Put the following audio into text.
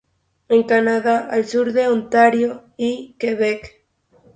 En Canadá al sur de Ontario y Quebec.